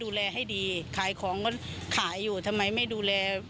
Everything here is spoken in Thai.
ดูแลให้ดีขายของก็ขายอยู่ทำไมไม่ดูแล